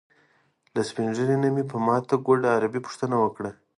له سپین ږیري نه مې په ماته ګوډه عربي پوښتنه وکړه.